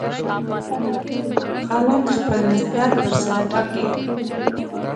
خلک خپل نسبت ورسره وټاکي.